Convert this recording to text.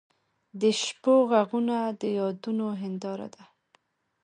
د شپو ږغونه د یادونو هنداره ده.